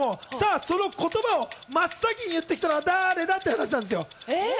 その言葉を真っ先に言ってきたのは誰だって話。